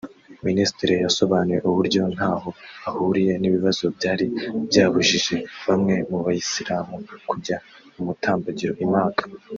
Minisitiri yasobanuye uburyo ntaho ahuriye n’ibibazo byari byabujije bamwe mu Bayisilamu kujya mu mutambagiro i Maka